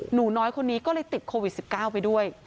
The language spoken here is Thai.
หนูน้อยคนนี้ก็เลยติดโควิด๑๙ไปด้วย